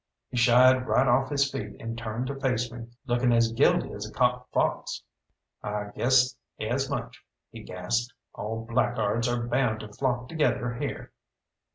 He shied right off his feet and turned to face me, looking as guilty as a caught fox. "I guessed as much," he gasped; "all blackguards are bound to flock together here."